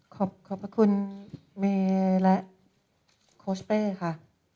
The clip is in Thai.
ขอบพระคุณเมย์และโคชเป้ค่ะ